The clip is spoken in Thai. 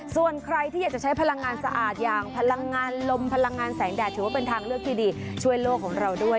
ส่วนใครที่อยากจะใช้พลังงานสะอาดอย่างพลังงานลมพลังงานแสงแดดถือว่าเป็นทางเลือกที่ดีช่วยโลกของเราด้วย